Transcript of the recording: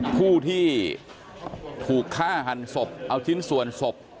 ผู้ที่ถูกฆ่าหันศพเอาชิ้นส่วนศพ